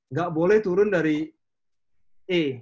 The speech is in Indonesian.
nggak boleh turun dari e